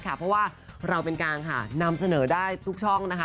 เพราะว่าเราเป็นการนำเสนอได้ทุกช่องนะคะ